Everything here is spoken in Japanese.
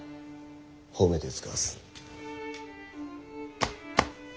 褒めて遣わす。